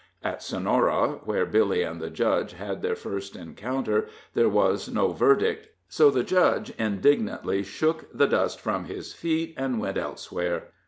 At Sonora, where Billy and the Judge had their first encounter, there was no verdict, so the Judge indignantly shook the dust from his feet and went elsewhere.